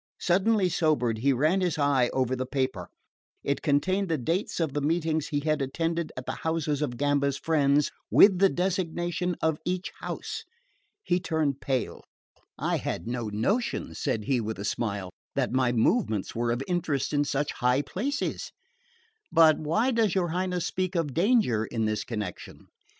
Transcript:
Suddenly sobered, he ran his eye over the paper. It contained the dates of the meetings he had attended at the houses of Gamba's friends, with the designation of each house. He turned pale. "I had no notion," said he, with a smile, "that my movements were of interest in such high places; but why does your Highness speak of danger in this connection?"